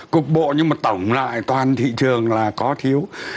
cục bộ nhưng mà tổng lại toàn thị trường là có thiếu